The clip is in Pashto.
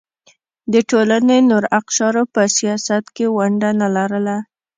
د ټولنې نورو اقشارو په سیاست کې ونډه نه لرله.